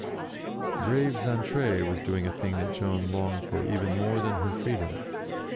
The brave Xaintrailles was doing a thing that Joan longed for even more than for her freedom.